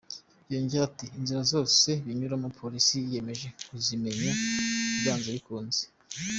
Yongeraho ati : ”Inzira zose binyuramo Polisi yiyemeje kuzimenya byanze bikunze”.